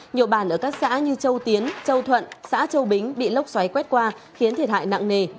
nhiều bàn ở các xã như châu tiến châu thuận xã châu bính bị lốc xoáy quét qua khiến thiệt hại nặng nề